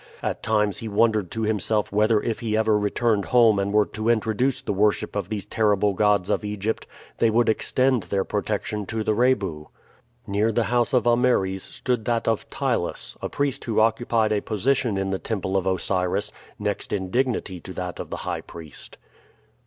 At times he wondered to himself whether if he ever returned home and were to introduce the worship of these terrible gods of Egypt, they would extend their protection to the Rebu. Near the house of Ameres stood that of Ptylus, a priest who occupied a position in the temple of Osiris, next in dignity to that of the high priest.